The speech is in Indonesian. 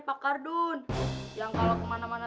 pakardun yang kalau kemana mana